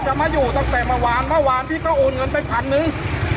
จะมาอยู่ตั้งแต่เมื่อวานเมื่วผีต้องโอนเงินไปพันนึง